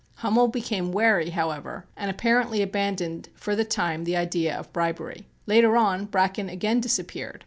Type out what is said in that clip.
Hummel became wary, however, and apparently abandoned for the time the idea of bribery. Later on Bracken again disappeared.